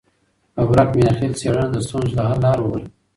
ببرک میاخیل څېړنه د ستونزو د حل لار وبلله.